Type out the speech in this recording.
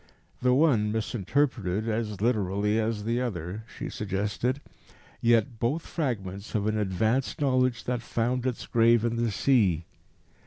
"The one misinterpreted as literally as the other," she suggested, "yet both fragments of an advanced knowledge that found its grave in the sea.